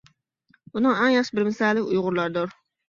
بۇنىڭ ئەڭ ياخشى بىر مىسالى ئۇيغۇرلاردۇر.